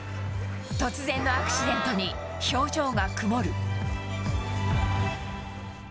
突然のアクシデントに、表情が曇る。